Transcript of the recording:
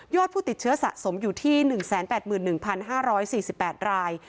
ผู้ติดเชื้อสะสมอยู่ที่๑๘๑๕๔๘ราย